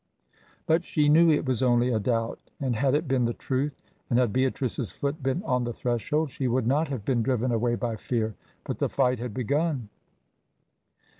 But she knew it was only a doubt, and had it been the truth, and had Beatrice's foot been on the threshold, she would not have been driven away by fear. But the fight had begun.